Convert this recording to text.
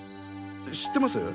知ってます？